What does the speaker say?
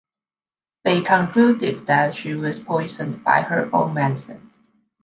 They concluded that she was poisoned by her own medicine.